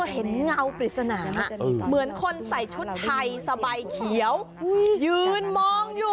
เห้ยยยยยมันเริ่มเห็น